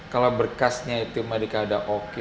kalau berkasnya itu mereka sudah oke